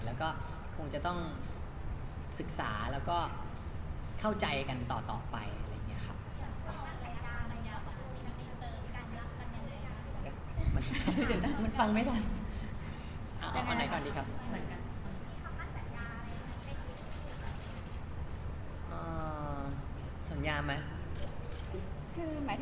แล้วก็คงจะต้องศึกษาแล้วก็เข้าใจกันต่อไปอะไรอย่างนี้ครับ